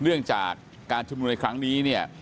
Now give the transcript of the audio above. เนื่องจากการชุมนุมในครั้งนี้เนี่ย